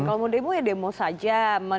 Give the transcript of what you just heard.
kalau mau demo ya demo saja